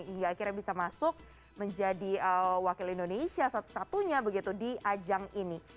hingga akhirnya bisa masuk menjadi wakil indonesia satu satunya begitu di ajang ini